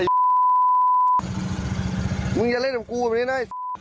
มึงอย่าเล่นกับกูแบบนี้นะ